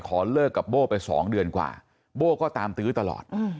เลิกกับโบ้ไป๒เดือนกว่าโบ้ก็ตามตื้อตลอด